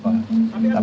pak pukul berapa rtb